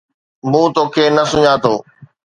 مون توکي نه سڃاتو